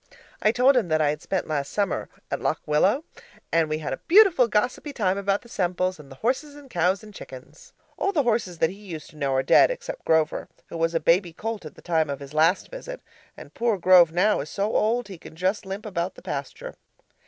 I told him that I had spent last summer at Lock Willow, and we had a beautiful gossipy time about the Semples, and the horses and cows and chickens. All the horses that he used to know are dead, except Grover, who was a baby colt at the time of his last visit and poor Grove now is so old he can just limp about the pasture.